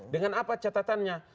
dengan apa catatannya